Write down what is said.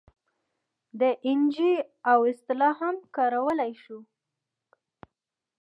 د این جي او اصطلاح هم کارولی شو.